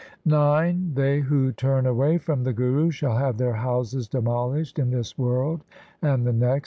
IX They who turn away from the Guru Shall have their houses demolished in this world and the next.